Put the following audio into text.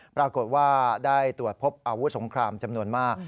ปรากฏว่าได้ตรวจพบอาวุธสงครามจำนวนมาก